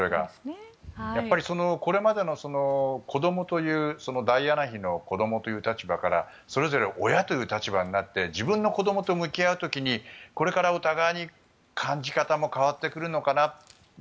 やっぱり、これまでのダイアナ妃の子供という立場からそれぞれ親という立場になって自分の子供と向き合う時にこれからお互いに感じた方も変わってくるのかな。